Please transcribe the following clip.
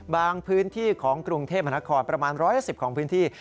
พื้นที่ของกรุงเทพมหานครประมาณ๑๑๐ของพื้นที่